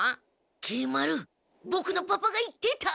きり丸ボクのパパが言っていた！